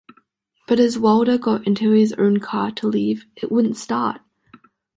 But as Wilder got into his own car to leave, it wouldn't start.